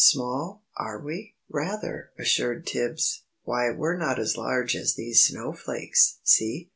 "Small, are we?" "Rather," assured Tibbs; "why we're not as large as these snowflakes, see."